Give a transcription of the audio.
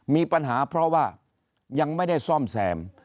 มีปัญหาเพราะว่ายังไม่ได้ซ่อมแซม